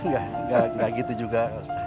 tidak begitu juga